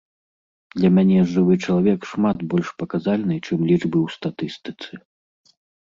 Для мяне жывы чалавек шмат больш паказальны, чым лічбы ў статыстыцы.